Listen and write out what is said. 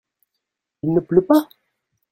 Il ne pleut pas ?